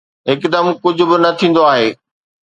هڪدم ڪجهه به نه ٿيندو آهي.